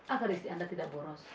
agar istri anda tidak boros